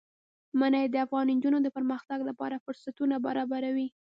منی د افغان نجونو د پرمختګ لپاره فرصتونه برابروي.